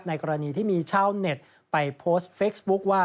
กรณีที่มีชาวเน็ตไปโพสต์เฟซบุ๊คว่า